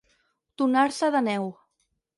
Tornar-se de neu.